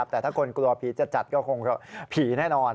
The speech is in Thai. แต่ถ้าคนกลัวผีจะจัดก็คงผีแน่นอน